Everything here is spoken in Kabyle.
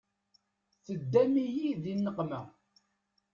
Teddam-iyi di nneqma.